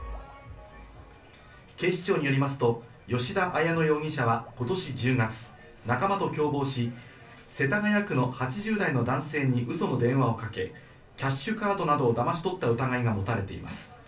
警視庁によりますと、吉田彩乃容疑者は今年１０月、仲間と共謀し、世田谷区の８５歳の男性に嘘の電話をかけ、キャッシュカードなどをだまし取った疑いが持たれています。